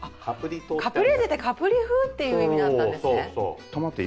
カプレーゼってカプリ風っていう意味だったんですね。